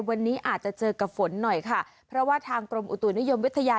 วันนี้อาจจะเจอกับฝนหน่อยค่ะเพราะว่าทางกรมอุตุนิยมวิทยา